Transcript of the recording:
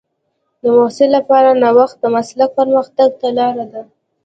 د محصل لپاره نوښت د مسلک پرمختګ ته لار ده.